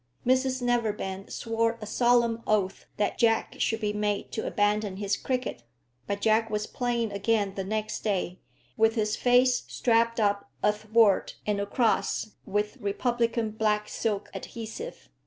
Mrs Neverbend swore a solemn oath that Jack should be made to abandon his cricket; but Jack was playing again the next day, with his face strapped up athwart and across with republican black silk adhesive.